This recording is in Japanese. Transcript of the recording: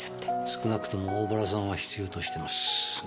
少なくとも大洞さんは必要としてます。